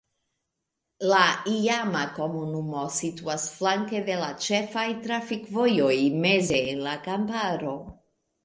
La iama komunumo situas flanke de la ĉefaj trafikvojoj meze en la kamparo.